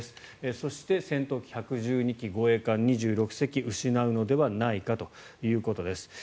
そして、戦闘機１１２機護衛艦２６隻を失うのではないかということです。